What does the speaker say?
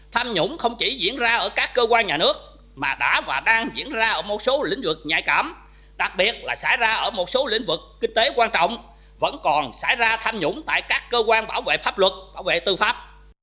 tham nhũng không chỉ diễn ra ở các cơ quan nhà nước mà đã và đang diễn ra ở một số lĩnh vực nhạy cảm đặc biệt là xảy ra ở một số lĩnh vực kinh tế quan trọng vẫn còn xảy ra tham nhũng tại các cơ quan bảo vệ pháp luật bảo vệ tư pháp